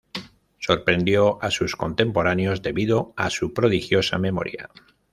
Sorprendió a sus contemporáneos debido a su prodigiosa memoria.